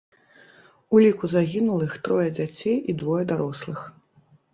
У ліку загінулых трое дзяцей і двое дарослых.